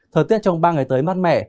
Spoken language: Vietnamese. thời tiết trong ba ngày tới mát mẻ